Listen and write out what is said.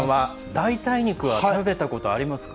代替肉は食べたことはありますか。